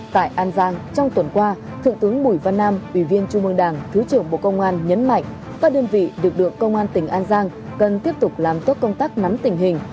tại an giang trong tuần qua thượng tướng bùi văn nam ủy viên trung mương đảng thứ trưởng bộ công an nhấn mạnh các đơn vị lực lượng công an tỉnh an giang cần tiếp tục làm tốt công tác nắm tình hình